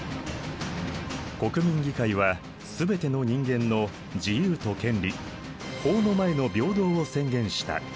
国民議会はすべての人間の自由と権利法の前の平等を宣言した。